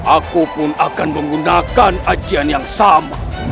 aku pun akan menggunakan ajian yang sama